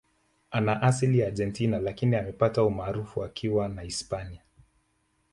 Ana asili ya Argentina Lakini amepata umaarufu akiwa na Hispania